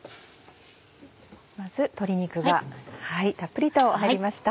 まず鶏肉がたっぷりと入りました。